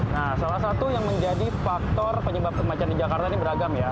nah salah satu yang menjadi faktor penyebab kematian di jakarta ini beragam ya